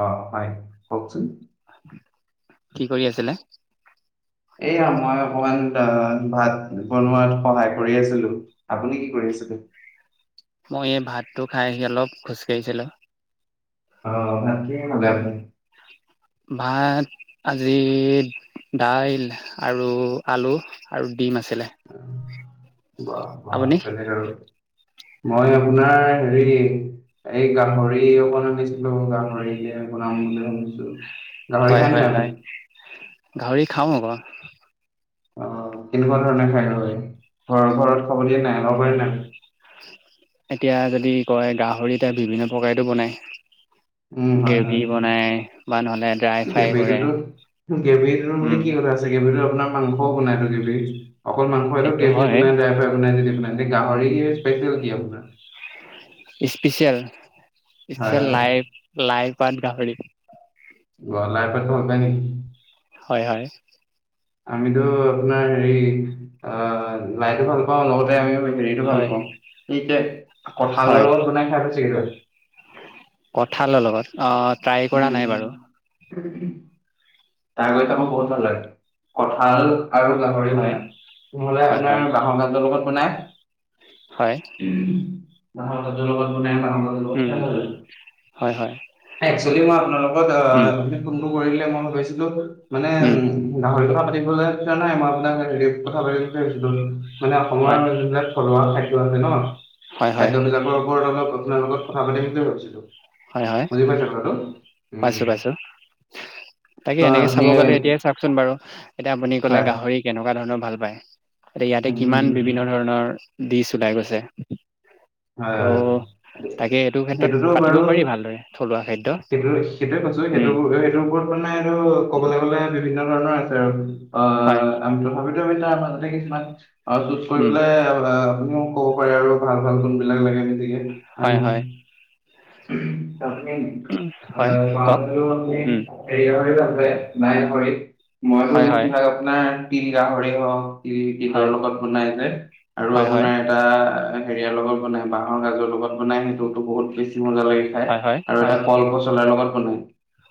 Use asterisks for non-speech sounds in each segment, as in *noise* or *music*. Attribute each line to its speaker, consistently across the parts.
Speaker 1: অ ভ কওকচোন
Speaker 2: কি কৰি আছিলে
Speaker 1: এইয়া মই অকমান তাহ ভাত বনোৱাত সহায় কৰি আছিলো। আপুনি কি কৰি আছিলে?
Speaker 2: মই এই ভাতটো খাই আহি অলপ খোজ কাঢ়িছিলো।
Speaker 1: অ', *unintelligible*
Speaker 2: ভাত আজি দাইল আৰু আলু আৰু ডিম আছিলে।
Speaker 1: উম বা বা
Speaker 2: আপুনি?
Speaker 1: বেলেগ আৰু মই আপোনাৰ হেৰি এই গাহৰি অকণ আনিছিলো। গাহৰিকে বনাম বুলি ভাবিছোঁ। গাহৰি
Speaker 2: হয়
Speaker 1: খাই
Speaker 2: -
Speaker 1: নে
Speaker 2: হয়
Speaker 1: নাই
Speaker 2: - হয়।
Speaker 1: আপুনি?
Speaker 2: গাহৰি খাওঁ আক'।
Speaker 1: অ'। তেনেকুৱা ধৰণে খায় গাহৰি? ঘৰৰ- ঘৰত খাব দিয়ে নাই *unintelligible*
Speaker 2: এতিয়া যদি কয়, গাহৰি এতিয়া বিভিন্ন প্ৰকাৰেতো বনায়।
Speaker 1: উম, হয় - হয়।
Speaker 2: বা নহ'লে ড্ৰাই ফ্ৰাই কৰে।
Speaker 1: গ্ৰেভিটোতো- গ্ৰেভিটোত নো
Speaker 2: উম,
Speaker 1: কি কথা আছে, গ্ৰেভিটো আপোনাৰ মাংসও বনায় তো গ্ৰেভিৰ। অকল মাংসইটো
Speaker 2: সেইটো
Speaker 1: গ্ৰেভি
Speaker 2: হয়।
Speaker 1: বনায় *unintelligible* এনে গাহৰিৰ স্পেচেল কি আপোনাৰ?
Speaker 2: স্পেচিয়েল?
Speaker 1: হয়
Speaker 2: ইচছা
Speaker 1: হয় অ,
Speaker 2: লাই- লাই পাত গাহৰি।
Speaker 1: গলাই *unintelligible*
Speaker 2: হয় - হয়।
Speaker 1: আমিতো আপোনাৰ হেৰি অ' লাইটো ভাল পাওঁ, লগতে আমি হেৰিটো ভাল
Speaker 2: হয়,
Speaker 1: পাওঁ এই এতিয়া কঁঠালৰ লগত বনাই খাই পাইছ *unintelligible* *unintelligible*
Speaker 2: কঠালৰ লগত অ ট্ৰাই
Speaker 1: উম
Speaker 2: কৰা নাই বাৰু
Speaker 1: তাৰ *unintelligible* বহুত ভাল লাগে কঠাল আৰু গাহৰি
Speaker 2: হয়,
Speaker 1: মেইন নহ'লে
Speaker 2: হয়, হয়,
Speaker 1: আপোনাৰ বাহৰ গাজৰ লগত শুনাই
Speaker 2: হয়।
Speaker 1: উম বাঁহৰ গাজৰ লগত বনাই বাঁহৰ গাজৰ লগত
Speaker 2: উম উম হয় হয়
Speaker 1: একচেলি মই আপোনালোকক
Speaker 2: উম,
Speaker 1: ফোনটো কৰিলে মই ভাবিছ ছিলো মানে
Speaker 2: উম,
Speaker 1: গাহৰি কথা পাত পাতিবলে ইচ্ছা নাই মই আপোনাক হেৰিত কথা পাতিম বুলি ভাবিছিলোঁ মানে অসমৰ
Speaker 2: হয়,
Speaker 1: যোনিবিলাক থলুৱা ঠাইত *unintelligible*
Speaker 2: হয়, হয়,
Speaker 1: খাদ্য বিলাকৰ ওপৰত অলপ আপোনাৰ লগত কথা পাতিম বুলিয়ে ভাবিছিলো।
Speaker 2: হয়, হয়।
Speaker 1: বুজি পাইছে কথাটো
Speaker 2: পাইছোঁ,
Speaker 1: উম
Speaker 2: পাইছোঁ
Speaker 1: ত
Speaker 2: তাকে এনেকে চাব
Speaker 1: আপুনি
Speaker 2: গ'লে এতিয়াই চাওচোন বাৰু এতিয়া
Speaker 1: হয়
Speaker 2: গাহৰি কেনেকা ধৰণৰ ভাল পায়। এয়া ইয়াতে
Speaker 1: উম উম,
Speaker 2: কিমান
Speaker 1: উম,
Speaker 2: বিভিন্ন ধৰণৰ দিচ ওলাই গৈছে। ত'
Speaker 1: হয়
Speaker 2: তাকে এইটো ক্ষেত্ৰত
Speaker 1: সেইটোতো হয়ে।
Speaker 2: পাতিব পাৰি ভালদৰে থলুৱা খাদ্য।
Speaker 1: সেইটো সেইটোয়ে কৈছোঁ সেইটো
Speaker 2: উম,
Speaker 1: সেইটোৰ ওপৰত মানে এইটো কবলৈ গ'লে বিভিন্ন ধৰণৰ আছ অ'।
Speaker 2: হয়,
Speaker 1: অ' আমি তথাপি বিভিন্ন ধৰণৰ গতিকে কিমান অ' চুজ কৰি
Speaker 2: উম,
Speaker 1: পেলাই মোক ক'ব পাৰে আৰু ভাল ভাল গুন লগ লাগে বেছি কে। আন
Speaker 2: হয়, হয়,
Speaker 1: আপুনি
Speaker 2: উম, হয়,
Speaker 1: আহ
Speaker 2: কওক।
Speaker 1: মানুহটো আপুনি
Speaker 2: উম,
Speaker 1: হেৰি হৈ ভাল নাইৰি, মইতো
Speaker 2: হয়, হয়,
Speaker 1: বেছিভাগ আপোনাৰ তিল গাহৰিয়ে হওঁক। তিল তিলৰ
Speaker 2: হয়,
Speaker 1: লগত বনাই যায় আৰু
Speaker 2: হয়, হয়,
Speaker 1: আপোনাৰ এটা হেৰিয়াৰ লগত বনাই বাহঁৰ গাজৰ লগত বনাই সেইটোতো বহুত টেষ্টি। কি মজা লাগে খাই
Speaker 2: হয়, হয়,
Speaker 1: আৰু এটা
Speaker 2: হয়,
Speaker 1: কল পচলাৰ লগত বনাই।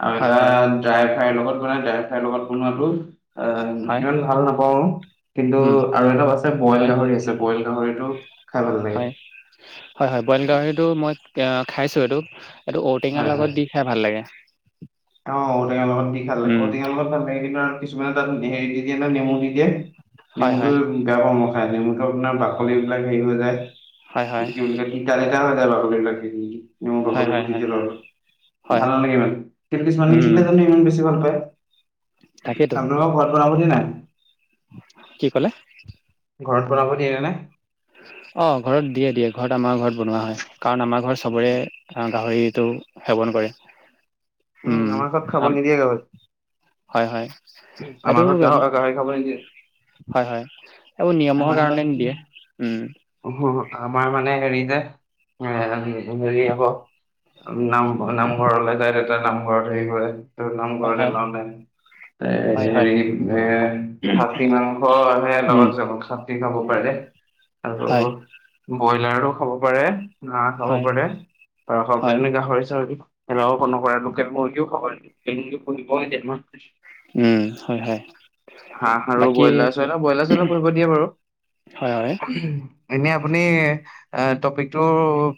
Speaker 1: আৰু
Speaker 2: হয়,
Speaker 1: এটা
Speaker 2: হয়,
Speaker 1: ড্ৰাই ফ্ৰাইৰ লগত মই মানে ড্ৰাইফাই লগত বনোৱাতো অ'
Speaker 2: হয়,
Speaker 1: ইমান ভাল নাপাওঁ। কিন্তু
Speaker 2: উম,
Speaker 1: আৰু অলপ এটাত আছে বইল
Speaker 2: হয়,
Speaker 1: গাহৰি আছে বইল গাহৰিত আৰু খাই ভাল লাগে।
Speaker 2: হয়, হয়, হয় বইল গাহৰিটো মই এ খাইছো এইটো। এইটো ঔটেঙাৰ
Speaker 1: হয়
Speaker 2: লগত দি খাই ভাল লাগে।
Speaker 1: অহ টেঙা লগত দি খালে
Speaker 2: উম,
Speaker 1: ঔটেঙা লগত ভাল কিন্তু আৰু। কিছুমানে তাত হেৰি দি দিয়ে না নেমু দি দিয়ে।
Speaker 2: হয়,
Speaker 1: নেমটো
Speaker 2: হয়।
Speaker 1: বেয়া পাওঁ মই। নেমুতো আপোনাৰ বাকলি এইবিলাক হেৰি হৈ যায়।
Speaker 2: হয় হয়
Speaker 1: গতিকে নেমু দিলে তিতা তিতা লাগে। ু ন নি *inaudible* *unintelligible* নেমু
Speaker 2: হয়
Speaker 1: বাকলি
Speaker 2: হয়
Speaker 1: বোৰ দি
Speaker 2: হয়
Speaker 1: দিয়ে লগ
Speaker 2: হয়
Speaker 1: ভাল নালাগে ইমান। ান কি
Speaker 2: উম
Speaker 1: *unintelligible* বেছি ভাল পায়।
Speaker 2: তাকেইতো
Speaker 1: আপোনালোকৰ ভাল। ব নাই *inaudible*
Speaker 2: কি ক'লে।
Speaker 1: ঘৰত বনাব দিয়ে ন নে।
Speaker 2: অ ঘৰত দিয়ে দিয়ে ঘৰত আমাৰ ঘৰত বনোৱা হয়। কাৰণ আমাৰ ঘৰত চবৰে গাহৰিতটো সেৱন কৰে।
Speaker 1: উম আমাৰ ঘৰত খাব
Speaker 2: আম-
Speaker 1: নিদিয়ে
Speaker 2: হয় হয়
Speaker 1: গাহৰি
Speaker 2: এইটো
Speaker 1: আমাৰ ঘৰত গাহ গাহৰি খাব নিদিয়ে।
Speaker 2: হয় হয় এইবোৰ নিয়মৰ
Speaker 1: আমাৰ ঘৰত
Speaker 2: কাৰণে
Speaker 1: কি
Speaker 2: নিদিয়ে।
Speaker 1: আমাৰ মানে হেৰি যে এ হেৰি হ'ব। নাম নামঘৰলৈ ডাইৰেক্ট। এটা নামঘৰত হেৰি কৰে।
Speaker 2: হয়
Speaker 1: নামঘৰতে
Speaker 2: হয়
Speaker 1: লাওঁ
Speaker 2: হয়
Speaker 1: এ
Speaker 2: হয়
Speaker 1: হেৰি এ খাচী মাংস হে
Speaker 2: উম
Speaker 1: লগত যাব। দে খাব পাৰে দে। আৰু
Speaker 2: হয়
Speaker 1: ব্ৰইলাৰো খাব পাৰে। হাহঁ খাব
Speaker 2: হয়
Speaker 1: পাৰে পাৰ খাব
Speaker 2: হয়
Speaker 1: পাৰে এনে গাহৰি চাহৰি। হেল্ল নকৰাকে লোকেল মুৰ্গীৰ খাল নিদিয়ে লোকেল মুৰ্গীৰ কণী খাৱ।
Speaker 2: উম হয় হয়
Speaker 1: হাঁহ আৰু
Speaker 2: বাকী
Speaker 1: ব্ৰইলাৰ চইলাৰ ব্ৰইলাৰ চইলাৰ পোহিব দিয়ে বাৰু।
Speaker 2: হয় হয়
Speaker 1: এনে আপুনি টপিকটো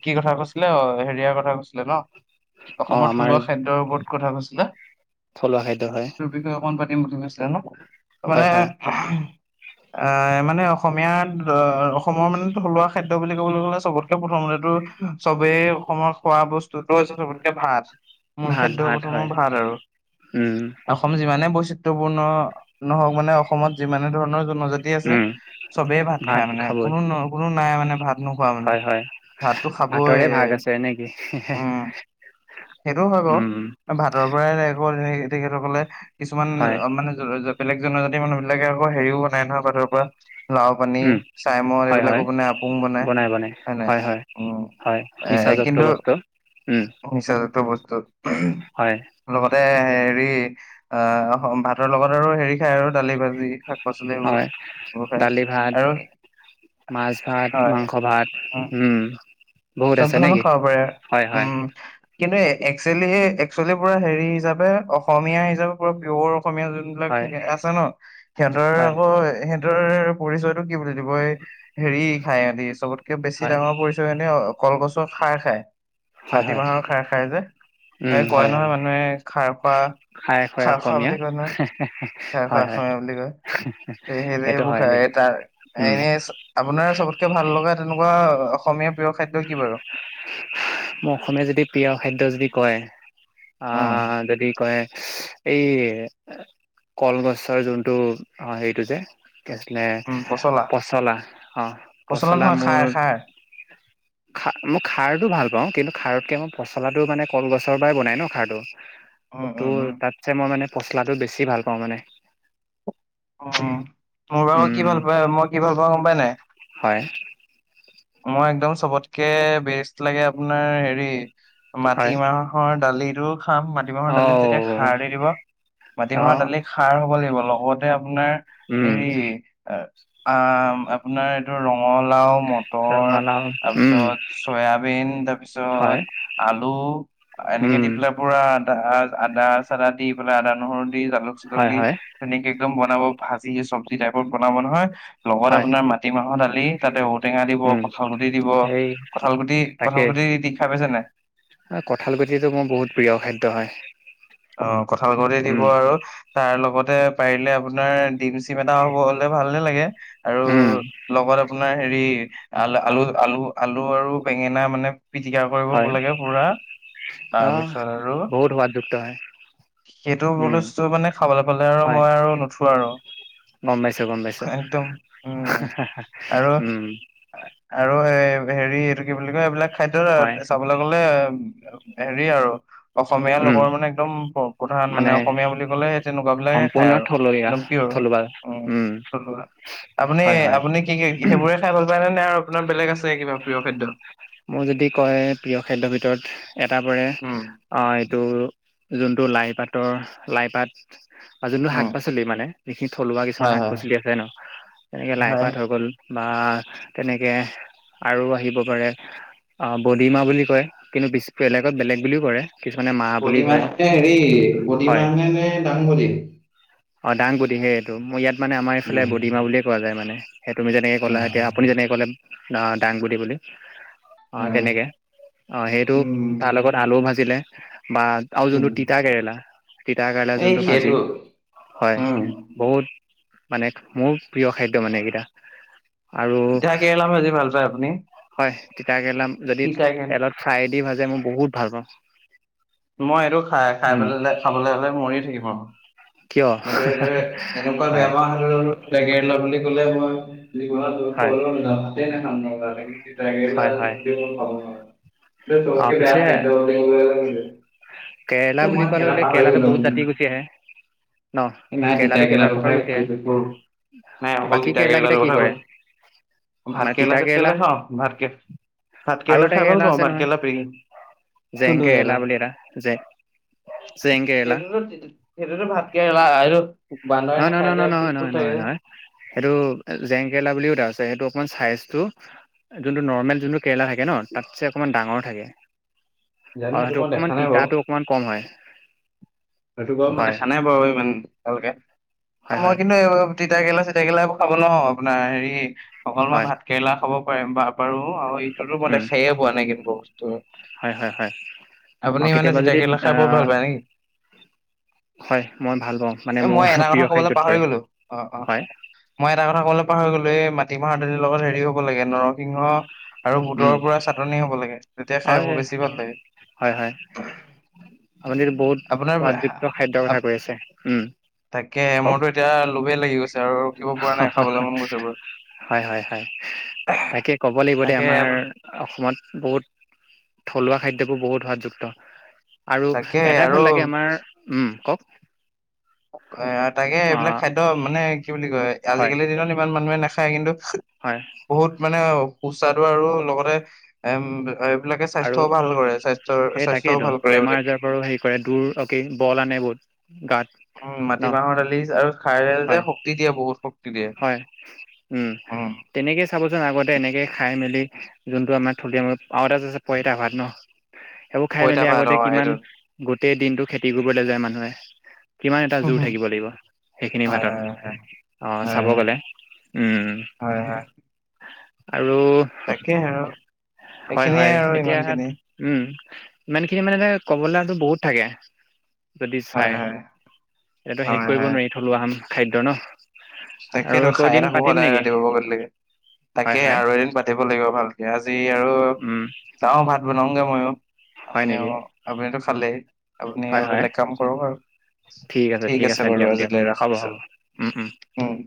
Speaker 1: কি কথা কৈছিলে অ হেৰিয়াৰ কথা কৈছিলে ন।
Speaker 2: অ
Speaker 1: অসমৰ
Speaker 2: আমাৰ
Speaker 1: থলুৱা খাদ্যৰ ওপৰত কথা কৈছিলে
Speaker 2: থলুৱা খাদ্য হয়
Speaker 1: তোৰ বিষয়ে অকমান ছে ন *inaudible*
Speaker 2: হয়
Speaker 1: মানে
Speaker 2: হয়
Speaker 1: অহ, মানে অসমীয়াত অ', অসমৰ মানে থলুৱা খাদ্য বুলি ক'বলৈ গ'লে চবতকে প্ৰথমতেটো চবেই অসমৰ খোৱা বস্তুতো হৈছে চবতকে ভাত। মূল
Speaker 2: ভাত
Speaker 1: খাদ্যৰ
Speaker 2: ভাত
Speaker 1: প্ৰথমত
Speaker 2: হয়
Speaker 1: ভাত আৰু
Speaker 2: উম
Speaker 1: অসম যিমানে ব চিত্তপূৰ্ণ নহওঁক মানে অসমত যিমানে ধৰণৰ জনজাতি আছে,
Speaker 2: উম
Speaker 1: চবেই ভাত খাই মানে কোনো নো কোনো নাই মানে ভাত নোখোৱা মানে
Speaker 2: হয় হয়
Speaker 1: ভাতটো খাবই
Speaker 2: ভাতৰে ভাগ আছে নেকি
Speaker 1: উম, সেইটো হয় বাৰু,
Speaker 2: উম
Speaker 1: ভাতৰ পৰাই *unintelligible* তেখেতসকলে কিছুমান
Speaker 2: হয়
Speaker 1: অ', মানে জৰ জৰ বেলেগ জনজাতি মানুহবিলাকে আকৌ হেৰিও নাই নহয় ভাতৰ পৰা। লাও পানী।
Speaker 2: উম
Speaker 1: চাইমদ
Speaker 2: হয়
Speaker 1: এইবিলাকো
Speaker 2: হয়
Speaker 1: বনাই আপং বনাই, হয় নাই, অ',
Speaker 2: হয়
Speaker 1: এ
Speaker 2: নিচাযুক্ত
Speaker 1: কিন্তু
Speaker 2: বস্তু উম
Speaker 1: নিচ টো বস্তুত
Speaker 2: হয়
Speaker 1: লগতে হেৰি অ', ভাতৰ লগত আৰু হেৰি খাই আৰু দালি ভাজি, শাক পাচলি এইবোৰ
Speaker 2: হয়,
Speaker 1: এইবোৰ খায়
Speaker 2: দালি, ভাত।
Speaker 1: আৰু
Speaker 2: মাছ, ভাত,
Speaker 1: হয়
Speaker 2: মাংস, ভাত, উম। *inaudible*
Speaker 1: চব ধৰনৰ
Speaker 2: নেকি
Speaker 1: খাব পাৰে,
Speaker 2: হয় হয়
Speaker 1: উম। কিন্তু একচুৱেলি, একচুৱেলি, পুৰা হেৰি হিচাপে অসমীয়া হিচাপে পুৰা পিয়'ৰ *unintelligible* যোনবিলাক
Speaker 2: হয়
Speaker 1: থাকে আছে ন, সিহঁতৰ
Speaker 2: হয়
Speaker 1: আকৌ স *unintelligible* পৰিচয়তটো কি বুলি দিবই, হেৰি খাই আনি চবত কে বেছি
Speaker 2: হয়
Speaker 1: ডাঙৰ পৰিছে হয়নে? কলগছৰ খাৰ খায়।
Speaker 2: হয়
Speaker 1: মাটি
Speaker 2: হয়
Speaker 1: মাহৰ খাৰ খাই যে, এই
Speaker 2: উম
Speaker 1: কয়
Speaker 2: হয়
Speaker 1: নহয়
Speaker 2: হয়
Speaker 1: মানুহে খাৰ খোৱা,
Speaker 2: খাই খোৱাই
Speaker 1: খাৰ খোৱা
Speaker 2: অসমীয়া
Speaker 1: বুলি কয় নহয়। খাৰ খোৱা
Speaker 2: হয় হয়
Speaker 1: অসমীয়া বুলি কয়, সেই
Speaker 2: সেইটো
Speaker 1: এইবোৰ
Speaker 2: হয়
Speaker 1: খাই
Speaker 2: দেই
Speaker 1: ত
Speaker 2: উম
Speaker 1: এনে আপোনাৰ চবতকে ভাল লগা তেনেকুৱা অসমীয়াৰ প্ৰিয় খাদ্য কি বাৰু
Speaker 2: মই অসমীয়া যদি প্ৰিয় খাদ্য যদি কয়
Speaker 1: উম
Speaker 2: অ' যদি কয়। এই কলগছৰ যোনটো অ' হেৰিটো যে। কি আছিলে, পচলা অ' পচলা
Speaker 1: নহয়
Speaker 2: মোৰ
Speaker 1: খাৰ খাৰ।
Speaker 2: মই খাৰটো ভাল পাওঁ কিন্তু, খাৰতকে মই পচলাটো মানে, কলগছৰ পৰাই বনাই ন খাৰটো।
Speaker 1: উম, উম, উম।
Speaker 2: ত' তাতছে মই মানে পচলাটো বেছি ভাল পাওঁ মানে।
Speaker 1: উম, মোৰ *unintelligible* কি
Speaker 2: উম
Speaker 1: ভাল পাই, মই কি ভাল পাই গম পাই নে নাই?
Speaker 2: হয়
Speaker 1: মই একদম চবতকে বেষ্ট লাগে আপোনাৰ হেৰি মাটি
Speaker 2: হয়
Speaker 1: মাহৰ দালিত খাম মাটিমাহৰ
Speaker 2: অ
Speaker 1: দালিত যেতিয়া খাৰ দি দিব,
Speaker 2: অ
Speaker 1: মাটিমাহৰ দালিত খাৰ হ'ব লাগিব লগতে আপোনাৰ
Speaker 2: উম
Speaker 1: হেৰি আ, আপোনাৰ এইটো ৰ ঙলাও, ম ৰ,
Speaker 2: ৰঙালাও উম
Speaker 1: তাৰপিছত চয়াবিন, তাৰপিছত
Speaker 2: হয়
Speaker 1: আলু, এনেকে
Speaker 2: উম
Speaker 1: দি পেলাই পুৰা দা আদা চাদা দি পেলাই আদা, নহৰু জালুক চালুক
Speaker 2: হয়
Speaker 1: দি
Speaker 2: হয়
Speaker 1: তেনেকে একদম ব বনাব ভাজি, চব্জি টাইপত বনাব নহয় লগত
Speaker 2: হয়
Speaker 1: আপোনাৰ মাটিমাহৰ দা লি, তাতে ঔটেঙা
Speaker 2: উম
Speaker 1: কঁঠালগুটি দিব
Speaker 2: এই
Speaker 1: কঁঠালগুটি,
Speaker 2: তাকে
Speaker 1: কঁঠালগুটি দি খায় পাইছা নে নাই?
Speaker 2: কঁঠাল গুটিটো মোৰ বহুত প্ৰিয় খাদ্য হয়।
Speaker 1: অ', কঁঠাল গুটি দিব
Speaker 2: উম
Speaker 1: আৰু তাৰলগত তে পাৰিলে আপোনাৰ ডিম চিম এটা হ'ব হলে ভালে লাগে। আৰু
Speaker 2: উম
Speaker 1: লগত আপোনাৰ হেৰি আল আলু আলু আলু আৰু বেঙেনা মানে পিটিকা কৰিব
Speaker 2: হয়
Speaker 1: লাগে পুৰা তাৰ
Speaker 2: আহ
Speaker 1: পিছত আৰু
Speaker 2: বহুত সোৱাদযুক্ত হয়
Speaker 1: সেইটো
Speaker 2: উম
Speaker 1: বস্তু মানে খাবলৈ পালে আৰু
Speaker 2: হয়
Speaker 1: মই আৰু নুঠো আৰু
Speaker 2: গম পাইছো গম পাইছো
Speaker 1: একদম উম আৰু
Speaker 2: উম
Speaker 1: আৰু এ হেৰি এইটো কি বুলি কয় এইবিলাক খাদ্য
Speaker 2: হয়
Speaker 1: চাবলৈ গ'লে হেৰি আৰু অসমীয়া
Speaker 2: উম
Speaker 1: লোকৰ মানে একদম প্ৰধান মানে অসমীয়া বুলি ক'লে তেনেকুৱা বিলাকে খায়
Speaker 2: সম্পূৰ্ণ
Speaker 1: আৰু,
Speaker 2: থলুৱা
Speaker 1: একদম পিয়ৰ
Speaker 2: থলুৱা উম
Speaker 1: থা, আপুনি
Speaker 2: হয় হয়
Speaker 1: আপুনি কি কি সেইবোৰে খাই ভাল পায়নে নে? আৰু আপোনাৰ বেলেগ আছে কিবা প্ৰিয় খাদ্য
Speaker 2: মোৰ যদি কয় প্ৰিয় খাদ্যৰ ভিতৰত উ এটাৰ পৰে
Speaker 1: উম
Speaker 2: এইটো যোনটো লাই পাতৰ, লাই পাট আৰু যোনটো শাক
Speaker 1: উম
Speaker 2: পাচলি মানে, যিখিনি থলুৱা কিছুমান
Speaker 1: হয়
Speaker 2: শাক
Speaker 1: হয়
Speaker 2: পাচলি আছে ন তেনেকে
Speaker 1: হয়
Speaker 2: লাইপাত হৈ গ'ল বা তেনেকে আৰু আহিব পাৰে বডিমাহ বুলি কয় কিন্তু বেছ
Speaker 1: বদিমাহ
Speaker 2: কয়
Speaker 1: *unintelligible* হেৰি বদিমাহে নে দাংবদী।
Speaker 2: অঁ দাং বদি সেইটো, মই ইয়াত মানে আমাৰ এইফালে
Speaker 1: উম
Speaker 2: বডিমাহ বুলিয়ে কোৱা যায় মানে। সেই তুমি যেনেকে ক'লা
Speaker 1: অ
Speaker 2: এতিয়া আপুনি যেনেকে ক'লে নহয় দাংবদি বুলি। অঁ
Speaker 1: হয়
Speaker 2: তেনেকে অঁ সেইটো
Speaker 1: উম
Speaker 2: তাৰ লগত আলুও ভাজিলে বা আৰু
Speaker 1: উম,
Speaker 2: যোনটো তিতা কেৰেলা, তিতা কেৰেলা
Speaker 1: এই
Speaker 2: যোনটো ভাজি
Speaker 1: সেইটো
Speaker 2: হয়,
Speaker 1: উম
Speaker 2: বহুত মানে মোৰ প্ৰিয় খাদ্য মানে এইকেইটা। আৰু
Speaker 1: তিতা কেৰেলা ভাজি ভাল পায় আপুনি।
Speaker 2: হয়, তিতা কেৰেলা যদি
Speaker 1: তিতা কেৰেলা
Speaker 2: তেলত চাই দি ভাজি যে মই বহুত ভাল পাওঁ।
Speaker 1: মই এইটো খাই-খাই
Speaker 2: উম
Speaker 1: পেলালে খাবলৈ হ'লে মৰিয়ে থাকিম আৰু।
Speaker 2: কিয়
Speaker 1: মইটো এইটো এ এনেকুৱা বেয়া
Speaker 2: হয়
Speaker 1: পাওঁ সেইটো তিতা কেৰেলা বুলি ক'লে মই
Speaker 2: হয়
Speaker 1: *unintelligible* ভাতে নাখাম *unintelligible* তিতা কেৰেলা
Speaker 2: হয় হয়
Speaker 1: দি মই খাব নোৱাৰোঁ।
Speaker 2: অ
Speaker 1: চবতকে বেয়া
Speaker 2: পিছে
Speaker 1: খাদ্য
Speaker 2: কেৰেলা
Speaker 1: *unintelligible* এ
Speaker 2: বুলি
Speaker 1: মই
Speaker 2: কোৱাৰ লগে
Speaker 1: কেৰেলা
Speaker 2: লগে
Speaker 1: পাহৰি
Speaker 2: কেৰেলাতো
Speaker 1: গলো
Speaker 2: বহুত জাতি গুচি আহে ন
Speaker 1: নাই তিতা
Speaker 2: কেৰেলাতো কেইবা
Speaker 1: কেৰেলাটোৰ
Speaker 2: প্ৰকাৰ
Speaker 1: কথাাই
Speaker 2: গুচি আহে
Speaker 1: *unintelligible* নাই অকল
Speaker 2: বাকী
Speaker 1: তিতা
Speaker 2: কেৰেলা কেইটা
Speaker 1: কেৰেলাটোৰ
Speaker 2: কি
Speaker 1: কথা
Speaker 2: কৰে
Speaker 1: কৈছোঁ,
Speaker 2: মানে
Speaker 1: ভাত কেৰেলা
Speaker 2: তিতা
Speaker 1: চাত কেৰেলা খাওঁ ভাতক ভাত
Speaker 2: আৰু
Speaker 1: কেৰেলা
Speaker 2: এটা
Speaker 1: খাই ভাল পাওঁ
Speaker 2: আছে
Speaker 1: ভাত
Speaker 2: নহয়
Speaker 1: কেৰেলা
Speaker 2: জেং
Speaker 1: কোণটো কেৰেলা,
Speaker 2: বুলি এটা জে জেং কেৰেলা
Speaker 1: সেইটোতো-সেইটোতো ভাতকেৰেলা *unintelligible*
Speaker 2: নহয় নহয়-নহয়- নহয়-নহয়- নহয়- নহয়- নহয়, সেইটো জেংকেৰেলা বুলিও এটা আছে সেইটো অকমান চাইজটো যোনটো নৰ্মেল যোনটো কেৰেলা থাকে ন তাতছে অকমান ডাঙৰ থাকে।
Speaker 1: জানো
Speaker 2: আৰু সেইটো
Speaker 1: মই দেখা
Speaker 2: অকমান
Speaker 1: নাই বাৰু
Speaker 2: তিতাটো অকমান কম হয়।
Speaker 1: সেইটো বাৰু মই
Speaker 2: হয়
Speaker 1: দেখা নাই বাৰু ইমান ভালকে।
Speaker 2: হয় হয়
Speaker 1: মই কিন্তু এই তিত কেৰেলা চি তিতা কেৰেলা এইবোৰ খাব নোৱাৰো আপোনাৰ হেৰি অকল মই
Speaker 2: হয়
Speaker 1: ভাত কেৰেলা খাব হয় বাহ পাৰোঁ আৰু এই
Speaker 2: উম
Speaker 1: *unintelligible* খায়ে পোৱা নাই কিন্তু। ত'
Speaker 2: হয়, হয়, হয় আৰু কেতিয়াবা
Speaker 1: তিতা
Speaker 2: যদি
Speaker 1: কেৰেলা খাই বৰ ভাল
Speaker 2: অ'
Speaker 1: পায় নেকি
Speaker 2: মানে
Speaker 1: এ
Speaker 2: মোৰ
Speaker 1: মই এটা কথা
Speaker 2: প্ৰিয়
Speaker 1: ক'বলৈ
Speaker 2: খাদ্যত
Speaker 1: পাহৰি
Speaker 2: পৰে
Speaker 1: গ'লো অ', অ',
Speaker 2: হয়
Speaker 1: মই এটা কথা ক'বলে পাহাৰ গ'লে মাটিমাহৰ দালিৰ লগত হেৰি হ'ব লাগে নৰসিংহ আৰু বুটৰ
Speaker 2: উম
Speaker 1: পৰা চাটনি হ'ব লাগে তেতিয়া খাই
Speaker 2: হয়
Speaker 1: ব বেছি ভাল লাগে।
Speaker 2: হয় হয় আপুনি বহুত
Speaker 1: আপোনাৰ,
Speaker 2: সোৱাদযুক্ত খাদ্যৰ কথা কৈ আছে উম
Speaker 1: তাকে
Speaker 2: কওক
Speaker 1: মোৰটো এতিয়া ল'বই লাগ
Speaker 2: হয়, হয়, হয় তাকে ক'ব লাগিব দে
Speaker 1: তাকে
Speaker 2: আমাৰ
Speaker 1: আপ-
Speaker 2: অসমত বহুত থলুৱা খাদ্ এইবোৰ বহুত সোৱাদযুক্ত। আৰু
Speaker 1: তাকে
Speaker 2: এটাই
Speaker 1: আৰু
Speaker 2: ভাল লাগে আমাৰ উম, কওঁক।
Speaker 1: এ তাকে
Speaker 2: অ
Speaker 1: এইবিলাক খাদ্য মানে কি বুলি কয়
Speaker 2: হয়
Speaker 1: আজিকালিৰ দিনত ইমান মানুহে নাখ খাই কিন্তু
Speaker 2: হয়
Speaker 1: বহুত মানেও সুস্বাদু আৰু লগতে এম, এ
Speaker 2: আৰু সেই তাকেইতো
Speaker 1: ভাল কৰে
Speaker 2: বেমাৰ
Speaker 1: এইবিলাকে
Speaker 2: আজাৰৰ পৰাও হেৰি কৰে দূৰ অকে বল আনে বহুত। গাত
Speaker 1: উম,
Speaker 2: ন
Speaker 1: মাটিমাহৰ দালি আৰু ভাইৰেল
Speaker 2: হয়
Speaker 1: যে শক্তি দিয়ে বহুত শক্
Speaker 2: হয়, উম, তেনেকেই চাবচোন আগতে এনেকে খাই মেলি যোনটো আমাৰ থুলিয় ম পাৱতে যে আছে পইতা ভাত ন'। সেইবোৰ খাই
Speaker 1: পইতা
Speaker 2: মেলি
Speaker 1: ভাত
Speaker 2: আগতে
Speaker 1: অ
Speaker 2: কিমান
Speaker 1: সেইটো
Speaker 2: গোটেই দিনটো খেতি কৰিবলৈ যায় মানু নে কিমান এটা
Speaker 1: হুম,
Speaker 2: জোৰ
Speaker 1: হুম।
Speaker 2: থাকিব লাগিব সেইখিনি
Speaker 1: হয়
Speaker 2: ভাতৰ।
Speaker 1: হয় হয় হয়
Speaker 2: চাব
Speaker 1: হয়
Speaker 2: গ'লে, উম।
Speaker 1: হয় হয়।
Speaker 2: আৰু
Speaker 1: তাকে আৰু
Speaker 2: হয়,
Speaker 1: এইখিনিয়ে
Speaker 2: হয়
Speaker 1: আৰু ইমান
Speaker 2: এতিয়া
Speaker 1: খিনি
Speaker 2: উম, ইমানখিনি মানে ক'বলৈ বহুত থাকে। যদি
Speaker 1: হয় হয়
Speaker 2: চাই, এইটো শেষ কৰিব নোৱাৰি থলুৱা সাম খাদ্য ন'। আৰু
Speaker 1: তাকেইটো
Speaker 2: আকৌ
Speaker 1: খায়ে
Speaker 2: এদিন
Speaker 1: থাকো
Speaker 2: পাতিম
Speaker 1: সদায়
Speaker 2: নেকি
Speaker 1: ৰাতিপুৱাৰ পৰা গধূলিলৈকে
Speaker 2: হয়
Speaker 1: তাকে
Speaker 2: হয়
Speaker 1: আৰু এদিন পাতিব লাগিব ভালকে আজি আৰু
Speaker 2: উম
Speaker 1: যাওঁ ভাত বনাওঁগে ময়ো।
Speaker 2: হয়
Speaker 1: আপুনি
Speaker 2: নেকি
Speaker 1: অ', আপুনিটো ভালে। আপুনি
Speaker 2: হয় হয়
Speaker 1: বেলেগ কাম কৰক আৰু ঠিক আছে বাৰু
Speaker 2: দিয়ক দিয়ক
Speaker 1: আজিলৈ
Speaker 2: হ'ব
Speaker 1: ৰাখিছোঁ।
Speaker 2: হ'ব উম উম
Speaker 1: উম।